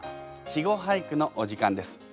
「稚語俳句」のお時間です。